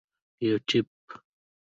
یوټیوب